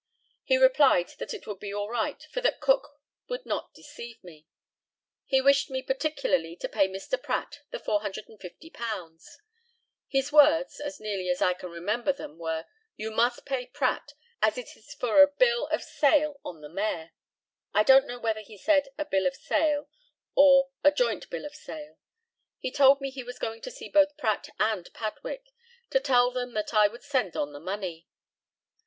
He replied that it would be all right, for that Cook would not deceive me. He wished me particularly to pay Mr. Pratt the £450. His words, as nearly as I can remember them were, "You must pay Pratt, as it is for a bill of sale on the mare." I don't know whether he said "a bill of sale," or "a joint bill of sale." He told me he was going to see both Pratt and Padwick, to tell them that I would send on the money.